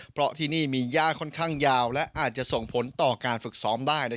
เพราะที่นี่มีย่าค่อนข้างยาวและอาจจะส่งผลต่อการฝึกซ้อมได้